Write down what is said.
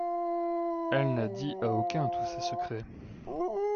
Elle n'a dit à aucun tous ses secrets.